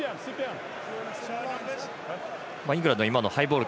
イングランドは今のハイボール